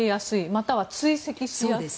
または追跡しやすい？